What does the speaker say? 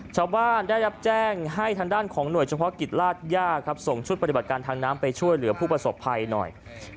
ชาวบ้านได้รับแจ้งให้ทางด้านของหน่วยเฉพาะกิจราชย่าครับส่งชุดปฏิบัติการทางน้ำไปช่วยเหลือผู้ประสบภัยหน่อย